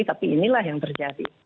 tapi inilah yang terjadi